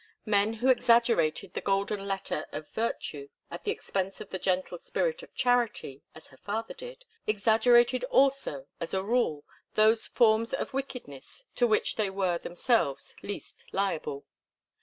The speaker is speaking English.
Men who exaggerated the golden letter of virtue at the expense of the gentle spirit of charity, as her father did, exaggerated also, as a rule, those forms of wickedness to which they were themselves least liable.